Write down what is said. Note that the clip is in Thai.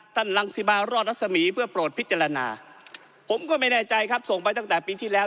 รังสิมารอดรัศมีร์เพื่อโปรดพิจารณาผมก็ไม่แน่ใจครับส่งไปตั้งแต่ปีที่แล้ว